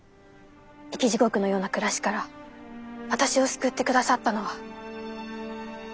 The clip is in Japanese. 生き地獄のような暮らしから私を救ってくださったのはお頭。